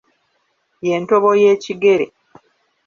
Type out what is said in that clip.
Ye ntobo y'ekigere.